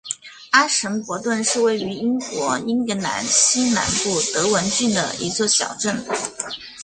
阿什伯顿是位于英国英格兰西南部德文郡的一座小镇。